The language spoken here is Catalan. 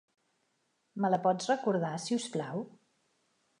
Me la pots recordar, si us plau?